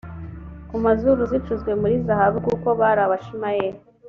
ku mazuru zicuzwe muri zahabu kuko bari abishimayeli